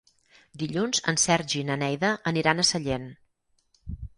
Dilluns en Sergi i na Neida aniran a Sallent.